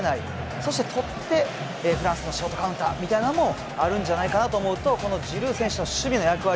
そして取ってフランスのショートカウンターみたいなのもあるんじゃないかと思うとジルー選手の守備の役割